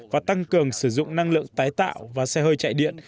và tăng cường sử dụng năng lượng tái tạo và xe hơi chạy điện